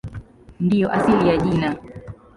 Ndiyo asili ya jina.